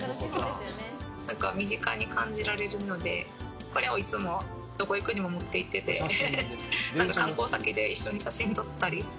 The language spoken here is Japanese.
身近に感じられるので、これをいつも、どこ行くにも持っていってて、観光先で一緒に写真撮ったり。